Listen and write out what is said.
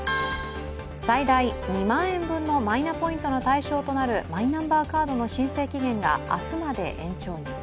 最大２万円分のマイナポイントの対象となるマイナンバーカードの申請期限が明日まで延長に。